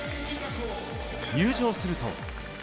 入場すると。